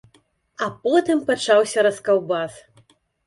А потым пачаўся раскаўбас!